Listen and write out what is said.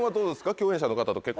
共演者の方と。